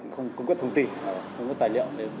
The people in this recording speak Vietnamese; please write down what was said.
không có thông tin không có tài liệu